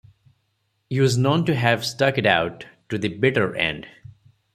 He was known to have stuck it out to the bitter end.